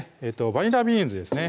バニラビーンズですね